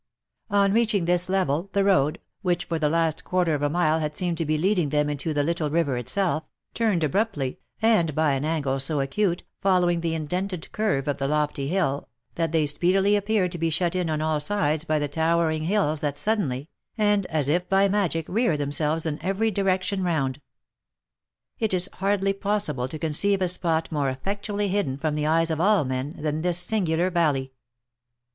On reaching this level, the road, which for the last quarter of a mile had seemed to be leading them into the little river itself, turned abruptly, and by an angle so acute, following the indented curve of the lofty hill, that they speedily appeared to be shut in on all sides by the towering hills that suddenly, and as if by magic reared themselves in every direction round. It is hardly possible to conceive a spot more effectually hidden from the eyes of all men, than this singular valley.